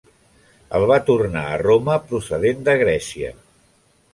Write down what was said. El va tornar a Roma procedent de Grècia.